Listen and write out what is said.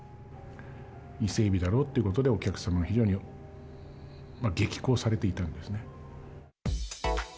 伊勢エビだろっていうことで、お客様が非常に激高されていたんですね。